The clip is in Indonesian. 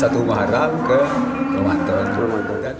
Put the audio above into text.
satu maharam ke kemantan